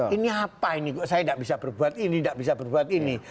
ini apa ini kok saya tidak bisa berbuat ini tidak bisa berbuat ini